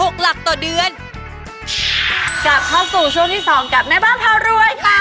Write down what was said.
กลับเข้าสู่ช่วงที่๒กับแม่บ้านพารวยค่ะ